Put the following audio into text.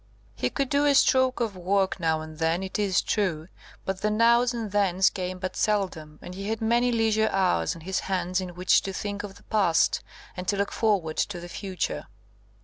He could do a stroke of work now and then, it is true, but, the nows and thens came but seldom, and he had many leisure hours on his hands in which to think of the past, and look forward to the future.